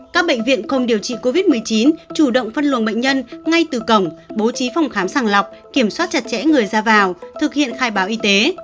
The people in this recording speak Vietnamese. các bệnh viện không điều trị covid một mươi chín chủ động phân luồng bệnh nhân ngay từ cổng bố trí phòng khám sàng lọc kiểm soát chặt chẽ người ra vào thực hiện khai báo y tế